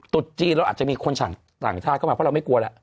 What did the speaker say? ตุธจีนเราอาจจะมีคนฉันต่างชาติก็มาว่าเราไม่กลัวล่ะ